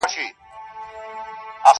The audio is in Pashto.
شپې د عمر غلیماني ورځي وخوړې کلونو -